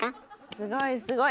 すごいすごい。